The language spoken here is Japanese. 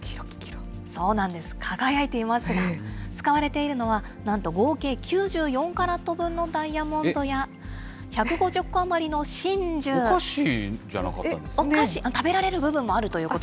そうなんです、輝いていますが、使われているのは、なんと合計９４カラット分のダイヤモンドお菓子じゃなかったんですね。